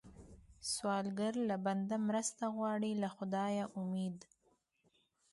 سوالګر له بنده مرسته غواړي، له خدایه امید